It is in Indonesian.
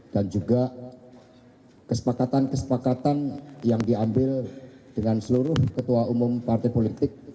dan juga kesepakatan kesepakatan yang diambil dengan seluruh ketua umum partai politik